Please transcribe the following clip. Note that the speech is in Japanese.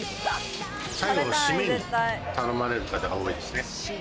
最後の締めに頼まれる方が多いですね。